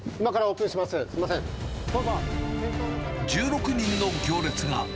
１６人の行列が。